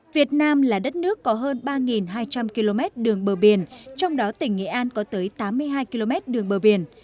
việt nam là đất nước có hơn ba hai trăm linh km đường bờ biển trong đó tỉnh nghệ an có tới tám mươi hai km đường bờ biển